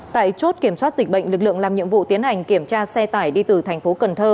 tại chốt kiểm soát dịch bệnh lực lượng làm nhiệm vụ tiến hành kiểm tra xe tải đi từ thành phố cần thơ